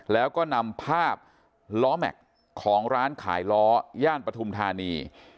แล้วก็นำภาพล้อแม็กซ์ของร้านขายล้อย่านปฐุมธานี